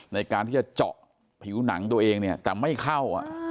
ในการที่จะเจาะผิวหนังตัวเองเนี่ยแต่ไม่เข้า